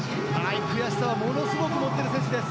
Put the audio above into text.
悔しさはものすごく持っている選手です。